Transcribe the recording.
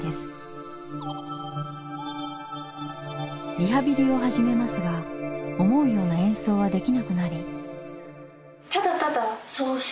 リハビリを始めますが思うような演奏はできなくなり。